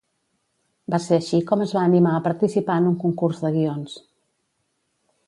Va ser així com es va animar a participar en un concurs de guions.